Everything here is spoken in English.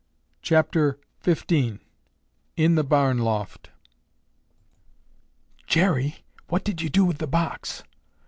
CHAPTER XV IN THE BARN LOFT "Jerry, what did you do with the box?"